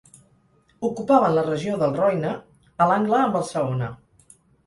Ocupaven la regió del Roine a l'angle amb el Saona.